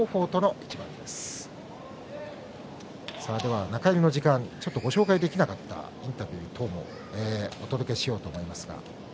では中入りの時間ちょっとご紹介できなかったインタビュー等もお届けしようと思います。